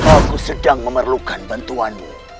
aku sedang memerlukan bantuanmu